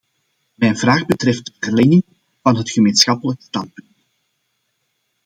Mijn vraag betreft de verlenging van het gemeenschappelijk standpunt.